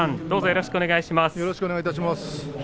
よろしくお願いします。